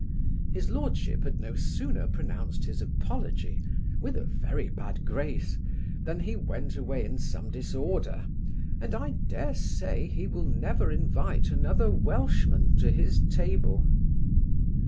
His lordship had no sooner pronounced his apology, with a very bad grace, than he went away in some disorder, and, I dare say, he will never invite another Welchman to his table.